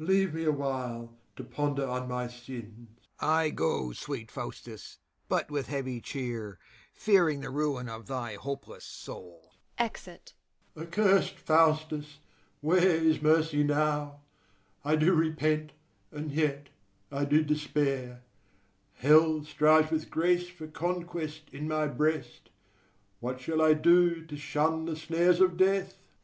Leave me a while to ponder on my sins. OLD MAN. I go, sweet Faustus; but with heavy cheer, Fearing the ruin of thy hopeless soul. [Exit.] FAUSTUS. Accursed Faustus, where is mercy now? I do repent; and yet I do despair: Hell strives with grace for conquest in my breast: What shall I do to shun the snares of death? MEPHIST.